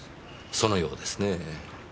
そのようですねぇ。